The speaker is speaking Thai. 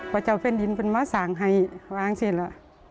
พระเจ้าเป็นดินเป็นมะสางไฮว้างสิล่ะ